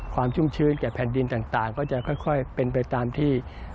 ชุ่มชื้นแก่แผ่นดินต่างก็จะค่อยเป็นไปตามที่